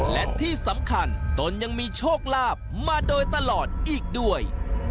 และที่สำคัญตนยังมีโชคลาภมาโดยตลอดอีกด้วย